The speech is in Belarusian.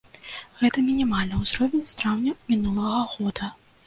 Гэта мінімальны ўзровень з траўня мінулага года.